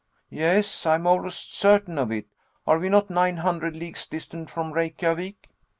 "Yes, I am almost certain of it. Are we not nine hundred leagues distant from Reykjavik?"